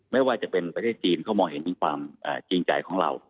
ไม่ว่าจะเป็นประเทศจีนเขามองเห็นถึงความจริงใจของเรา